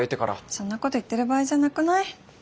そんなこと言ってる場合じゃなくない？